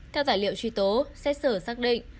theo tài liệu truy tố xét xử xác định